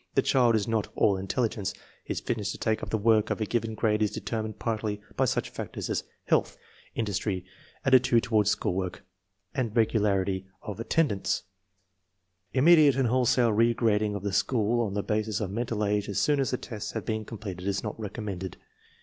The child is not all intel ligence; his fitness to take up the work of a given grade is determined partly by such factors as health, indus try, attitude toward school work, and regularity of at 800 INTELLIGENCE OF SCHOOL CHILDREN tendance. Immediate and wholesale re grading of the school on the basis of mental age as soon as the tests have been completed is not recommended.